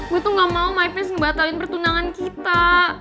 gue tuh gak mau my piece ngebatalin pertunangan kita